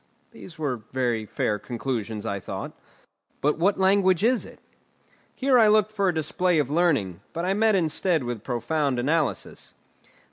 These were very fair conclusions, I thought. "But what language is it?" Here I looked for a display of learning, but I met instead with profound analysis.